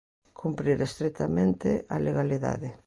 "Cumprir estritamente" a legalidade.